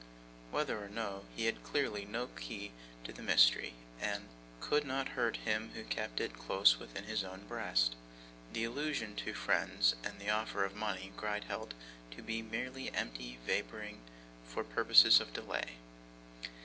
Whether or no, he had clearly no key to the mystery, and could not hurt him who kept it close within his own breast. The allusion to friends, and the offer of money, Gride held to be mere empty vapouring, for purposes of delay.